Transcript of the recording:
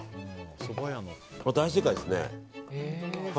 これ、大正解ですね。